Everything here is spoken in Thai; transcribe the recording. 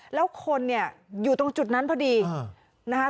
แล้วคนเนี่ยอยู่ตรงจุดนั้นพอดีนะคะ